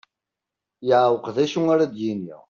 Yeɛweq d acu ara d-yini.